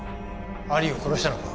アリを殺したのか？